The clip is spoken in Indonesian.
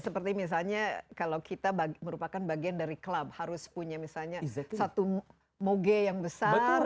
seperti misalnya kalau kita merupakan bagian dari klub harus punya misalnya satu moge yang besar